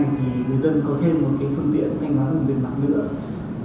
người dân có thêm phương tiện thanh toán không tiền mặt nữa